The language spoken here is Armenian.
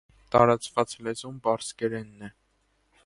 Տարածված լեզուն պարսկերենն է։